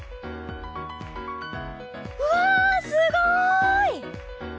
うわすごい！